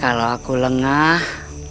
kalau aku lengah